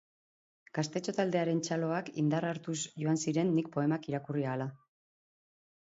Gaztetxo taldearen txaloak indarra hartuz joan ziren nik poemak irakurri ahala...